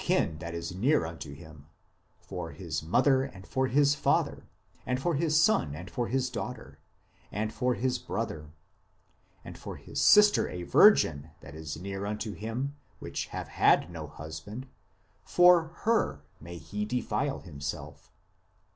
120 IMMORTALITY AND THE UNSEEN WORLD that is near unto him, for his mother, and for his father, and for his son, and for his daughter, and for his brother ; and for his sister a virgin, that is near unto him, which have had no husband, for her may he defile himself.